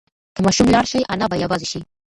که ماشوم لاړ شي انا به یوازې شي.